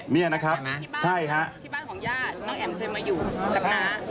นี่นะครับใช่ครับ